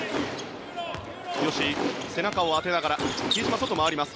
吉井、背中を当てながら比江島、外に回ります。